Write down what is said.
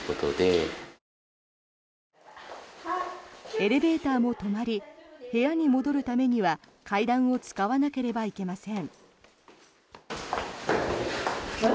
エレベーターも止まり部屋に戻るためには階段を使わなければいけません。